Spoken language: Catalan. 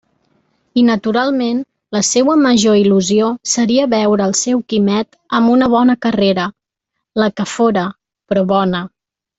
I naturalment, la seua major il·lusió seria veure el seu Quimet amb una bona carrera, la que fóra, però bona.